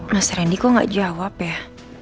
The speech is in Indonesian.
mas randy kok gak jawab ya